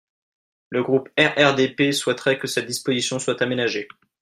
Le groupe RRDP souhaiterait que cette disposition soit aménagée.